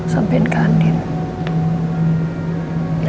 sampai ke andin